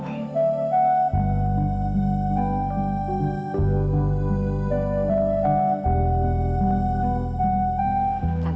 tante senang dengarnya